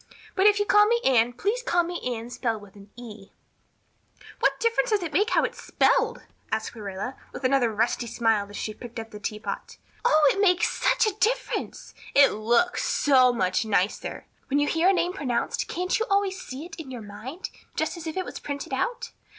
But if you call me Anne please call me Anne spelled with an E." "What difference does it make how it's spelled?" asked Marilla with another rusty smile as she picked up the teapot. "Oh, it makes such a difference. It looks so much nicer. When you hear a name pronounced can't you always see it in your mind, just as if it was printed out?